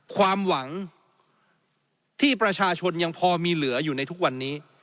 ความหวังที่ประชาชนยังพอมีเหลืออยู่ในทุกวันนี้